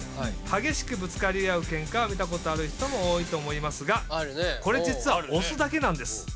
激しくぶつかり合うケンカは見たことある人も多いと思いますがこれ実はオスだけなんです。